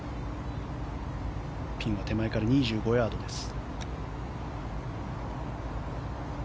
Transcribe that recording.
ピンは手前から２５ヤードです。